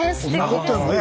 残ってるね。